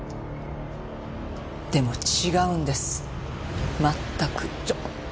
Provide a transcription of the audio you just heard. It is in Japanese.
でも違うんです全く。